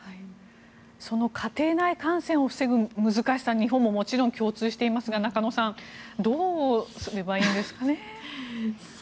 その家庭内感染を防ぐ難しさは日本ももちろん共通していますが、中野さんどうすればいいんでしょうか。